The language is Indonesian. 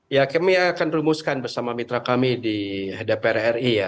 ya kami akan rumuskan bersama mitra kami di dpr ri ya